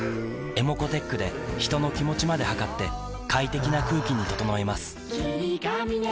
ｅｍｏｃｏーｔｅｃｈで人の気持ちまで測って快適な空気に整えます